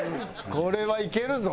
これはいけるぞ。